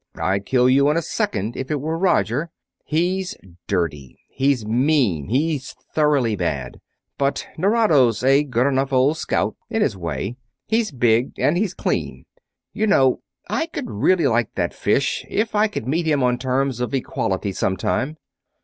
I'd kill you in a second if it were Roger; he's dirty. He's mean he's thoroughly bad. But Nerado's a good enough old scout, in his way. He's big and he's clean. You know, I could really like that fish if I could meet him on terms of equality sometime?"